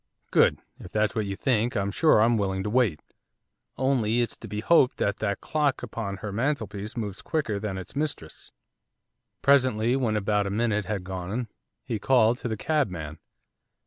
'Good. If that's what you think I'm sure I'm willing to wait, only it's to be hoped that that clock upon her mantelpiece moves quicker than its mistress.' Presently, when about a minute had gone, he called to the cabman.